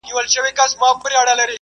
د کندهار ښار دوه سوه کلن تاريخ لري